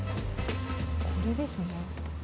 これですね。